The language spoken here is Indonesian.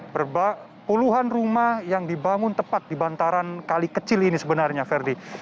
berulang rumah yang dibangun tepat di bantaran kali kecil ini sebenarnya ferdi